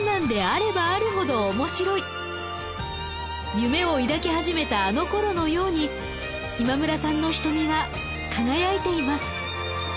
夢を抱き始めたあのころのように今村さんの瞳は輝いています。